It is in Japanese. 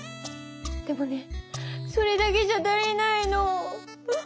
でもねそれだけじゃ足りないの。